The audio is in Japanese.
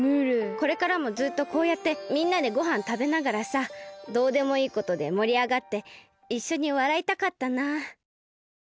これからもずっとこうやってみんなでごはんたべながらさどうでもいいことでもりあがっていっしょにわらいたかったな。